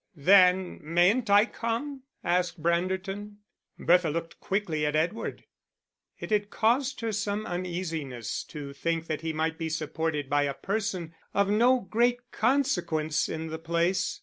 "Then mayn't I come?" asked Branderton. Bertha looked quickly at Edward; it had caused her some uneasiness to think that he might be supported by a person of no great consequence in the place.